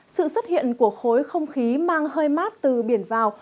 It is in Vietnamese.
sự xuất hiện của khối không khí mang hơi mát từ biển vào